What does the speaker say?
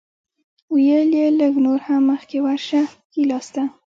ویل یې لږ نور هم مخکې ورشه ښی لاسته.